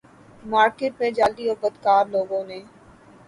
market میں جعلی اور بدکردار لوگوں نے